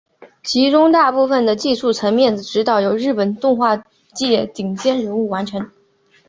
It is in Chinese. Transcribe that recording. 其中大部分的技术层面的指导由日本动画界顶尖人物完成。